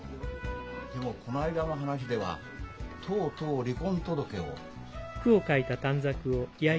でもこの間の話ではとうとう離婚届を。